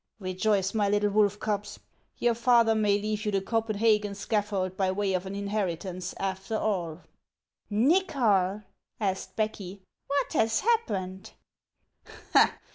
Rejoice, my little wolf cubs ; your father may leave you the Copenhagen scaffold by way of an inheritance, after all." " Xychol," asked Becky, " what has happened